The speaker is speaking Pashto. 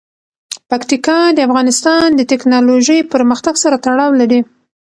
پکتیکا د افغانستان د تکنالوژۍ پرمختګ سره تړاو لري.